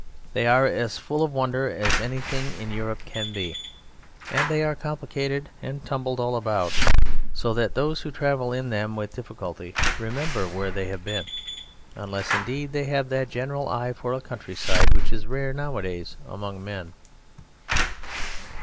They are as full of wonder as anything in Europe can be, and they are complicated and tumbled all about, so that those who travel in them with difficulty remember where they have been, unless indeed they have that general eye for a countryside which is rare nowadays among men.